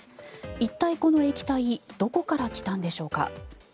一体、この液体どこから来たんでしょうか。